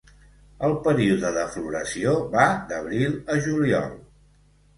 El període de floració va d'abril a juliol.